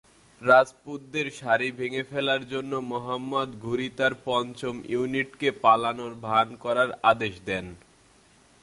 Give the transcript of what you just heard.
রাজপুতদের সারি ভেঙে ফেলার জন্য মুহাম্মদ ঘুরি তার পঞ্চম ইউনিটকে পালানোর ভান করার আদেশ দেন।